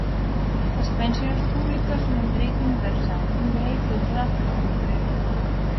As pensións públicas son un dereito universal, un dereito de toda a cidadanía.